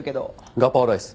ガパオライス。